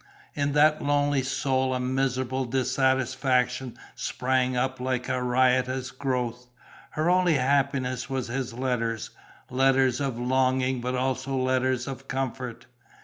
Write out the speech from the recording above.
In that lonely soul a miserable dissatisfaction sprang up like a riotous growth. Her only happiness was his letters, letters of longing but also letters of comfort.